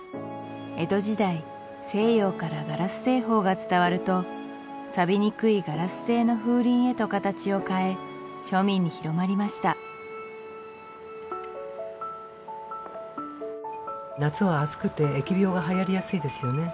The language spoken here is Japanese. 江戸時代西洋からガラス製法が伝わるとさびにくいガラス製の風鈴へと形を変え庶民に広まりました夏は暑くて疫病がはやりやすいですよね